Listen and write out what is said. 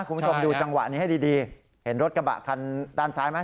คุณผู้ชมดูจังหวะนี้ให้ดีเห็นรถกระบะคันด้านซ้ายไหม